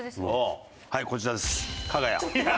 はいこちらです。